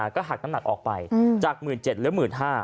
ก็หักน้ำหนักออกไปจาก๑๗๐๐หรือ๑๕๐๐